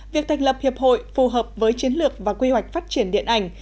việc thành lập hiệp hội phù hợp với chiến lược và quy hoạch phát triển điện ảnh